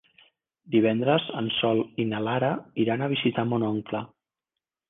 Divendres en Sol i na Lara iran a visitar mon oncle.